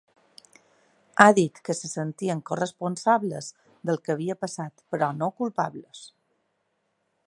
Ha dit que se sentien corresponsables del que havia passat, però no culpables.